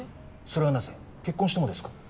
それはなぜ結婚してもですか？